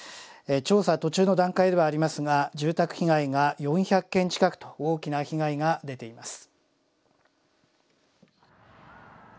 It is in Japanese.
調査途中の段階ではありますが住宅被害が４００軒近くと大きな被害が出ています。